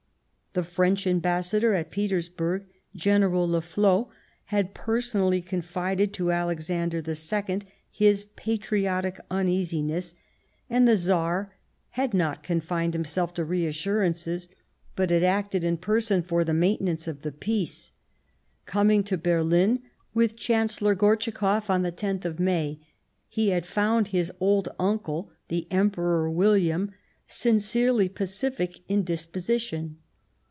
The French Ambassador at Petersburg, General Le Flo, had personally confided to Alexander II his patriotic uneasiness, and the Tsar had not 180 The German Empire confined himself to reassurances, but had acted in person for the maintenance of peace. Coming to Bcrhn with the Chancellor Gortschakoff on the loth of May, he had found his old uncle, the Em peror William, sincerely pacific in disposition.